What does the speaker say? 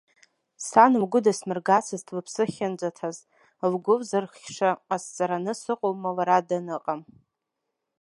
Сан лгәы дасмыргацызт лыԥсы ахьынӡаҭаз, лгәы лзырхьша ҟасҵараны сыҟоума лара даныҟам!